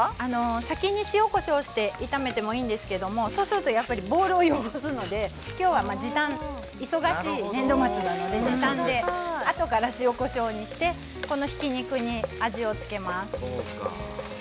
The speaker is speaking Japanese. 先に塩、こしょうで炒めてもいいんですけれどもそうするとボウルを汚すので時短、忙しい年度末なのであとから塩、こしょうにしてこのひき肉に味を付けます。